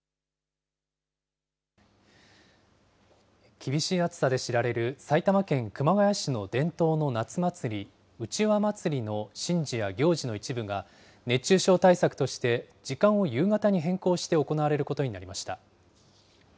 厳しい暑さで知られる、埼玉県熊谷市の伝統の夏祭り、うちわ祭の神事や行事の一部が、熱中症対策として、時間を夕方に変更して行われることになりました。